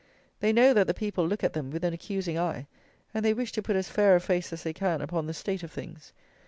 They know that the people look at them with an accusing eye: and they wish to put as fair a face as they can upon the state of things.